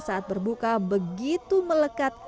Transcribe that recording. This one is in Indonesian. saat berbuka begitu melekat